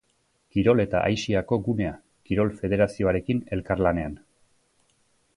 Kirol eta aisiako gunea, kirol-federaziorekin elkarlanean.